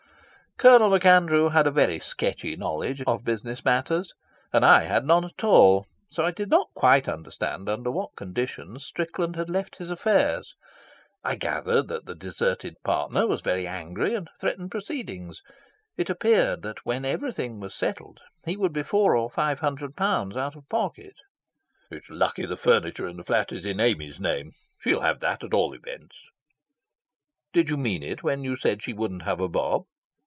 Colonel MacAndrew had a very sketchy knowledge of business matters, and I had none at all, so I did not quite understand under what conditions Strickland had left his affairs. I gathered that the deserted partner was very angry and threatened proceedings. It appeared that when everything was settled he would be four or five hundred pounds out of pocket. "It's lucky the furniture in the flat is in Amy's name. She'll have that at all events." "Did you mean it when you said she wouldn't have a bob?"